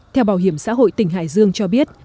theo bảo hiểm xã hội tỉnh hải dương cho biết